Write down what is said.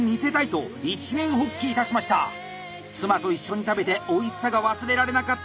妻と一緒に食べておいしさが忘れられなかったというお店に転職。